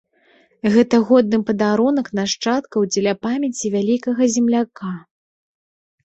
Гэта годны падарунак нашчадкаў дзеля памяці вялікага земляка.